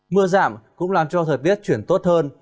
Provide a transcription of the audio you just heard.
mưa giảm cũng làm cho thời tiết chuyển tốt hơn